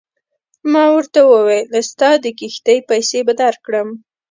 ما ورته وویل ستا د کښتۍ پیسې به درکړم.